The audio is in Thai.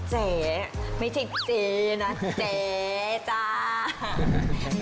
แจ๊ไม่ทิ้งจีนนะแจ๊จ้า